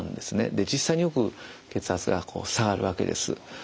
で実際によく血圧が下がるわけです。